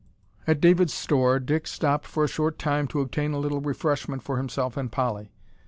At David's store Dick stopped for a short time to obtain a little refreshment for himself and Polly.